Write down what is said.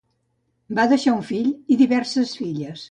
Va deixar un fill i diverses filles.